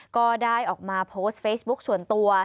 ก็ได้ออกมาโพสต์เฟซบุ๊คส่วนตัว